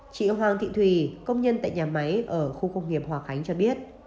chị hoàng thị thùy công nhân tại nhà máy ở khu công nghiệp hòa khánh cho biết